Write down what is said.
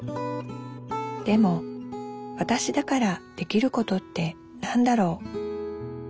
でもわたしだからできることって何だろう？